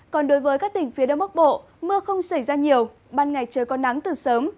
còn đối với các tỉnh phía đông bắc bộ mưa không xảy ra nhiều ban ngày trời có nắng từ sớm